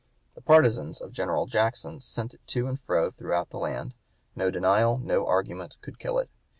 The partisans of (p. 182) General Jackson sent it to and fro throughout the land. No denial, no argument, could kill it.